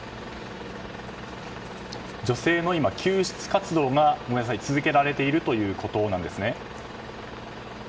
女性の救出活動が、今続けられているということですね。